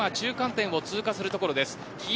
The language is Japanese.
その後方に今、中間点を通過するところです。